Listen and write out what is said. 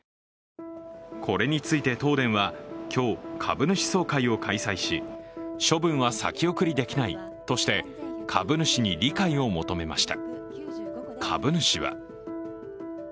これについて東電は今日、株主総会を開催し、処分は先送りできないとして株主に理解を求めました。